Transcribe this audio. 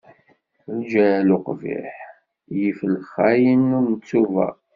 Lǧahel uqbiḥ, yif lxayen n ttuba.